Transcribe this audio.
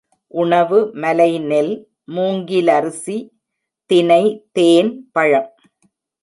உணவு மலைநெல், மூங்கிலரிசி, தினை, தேன், பழம்.